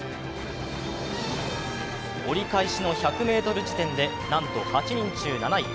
折り返しの１００ｍ地点でなんと８人中７位。